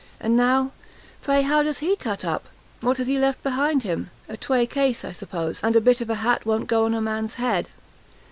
And now, pray, how does he cut up? what has he left behind him? a twey case, I suppose, and a bit of a hat won't go on a man's head!"